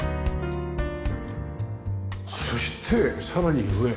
そしてさらに上。